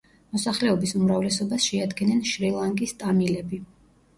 მოსახლეობის უმრავლესობას შეადგენენ შრი-ლანკის ტამილები.